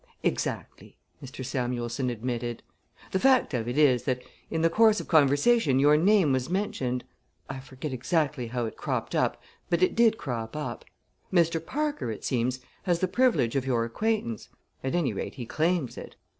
"Exactly!" Mr. Samuelson admitted. "The fact of it is that in the course of conversation your name was mentioned. I forget exactly how it cropped up, but it did crop up. Mr. Parker, it seems, has the privilege of your acquaintance at any rate he claims it.